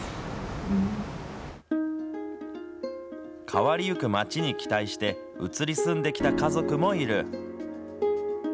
変わりゆく町に期待して、移り住んできた家族もいる。